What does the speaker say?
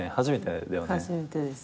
初めてです。